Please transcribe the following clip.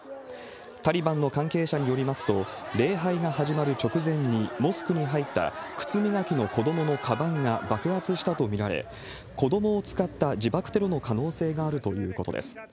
タリバンの関係者によりますと、礼拝が始まる直前にモスクに入った靴磨きの子どものかばんが爆発したと見られ、子どもを使った自爆テロの可能性があるということです。